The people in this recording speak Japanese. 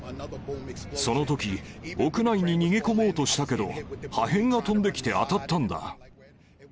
そのとき、屋内に逃げ込もうとしたけど、破片が飛んできて当たったんだ。